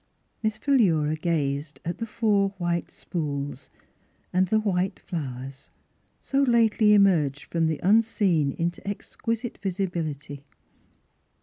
Miss Philura gazed at the four white spools, and the white flowers, so lately emerged from the Unseen into exquisite visibility.